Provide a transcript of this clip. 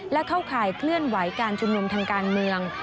และเข้าข่ายเคลื่อนไหวการชุมนุมทางการเมือง